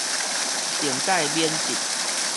懲戒免職